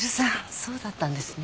そうだったんですね。